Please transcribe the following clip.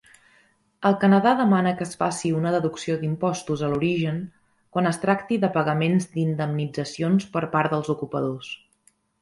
El Canadà demana que es faci una deducció d'impostos a l'origen quan es tracti de pagaments d'indemnitzacions per part dels ocupadors.